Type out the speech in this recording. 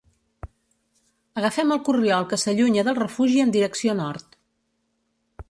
Agafem el corriol que s'allunya del refugi en direcció nord.